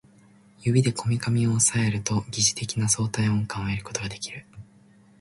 指でこめかみを抑えると疑似的な相対音感を得ることができる